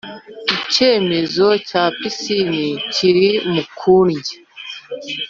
icyemezo cya pisine kiri mukurya.